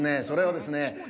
それはですね